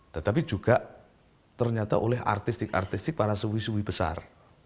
tetapi juga ternyata oleh artistik artistik para suwi suwi besar